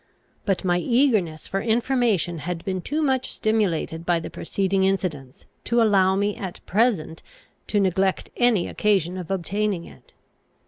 But my eagerness for information had been too much stimulated by the preceding incidents, to allow me at present to neglect any occasion of obtaining it.